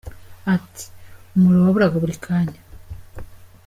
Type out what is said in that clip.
Ati “ Umuriro waburaga buri kanya.